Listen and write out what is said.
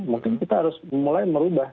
mungkin kita harus mulai merubah